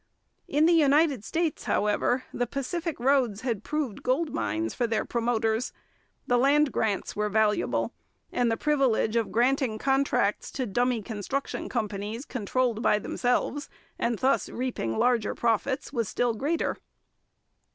In the United States, however, the Pacific roads had proved gold mines for their promoters. The land grants were valuable, and the privilege of granting contracts to dummy construction companies controlled by themselves and thus reaping larger profits was still greater.